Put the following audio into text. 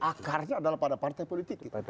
akarnya adalah pada partai politik